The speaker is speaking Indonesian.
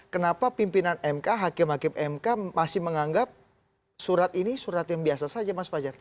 kenapa pimpinan mk hakim hakim mk masih menganggap surat ini surat yang biasa saja mas fajar